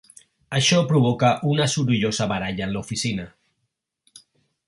Això provoca una sorollosa baralla en l'oficina.